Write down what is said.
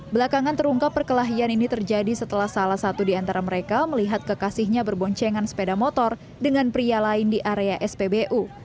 belakangan terungkap perkelahian ini terjadi setelah salah satu di antara mereka melihat kekasihnya berboncengan sepeda motor dengan pria lain di area spbu